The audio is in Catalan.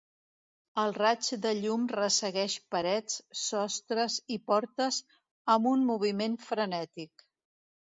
El raig de llum ressegueix parets, sostres i portes amb un moviment frenètic.